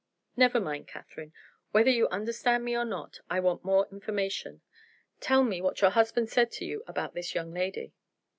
"Never mind, Catherine, whether you understand me or not. I want more information. Tell me what your husband said to you about this young lady?"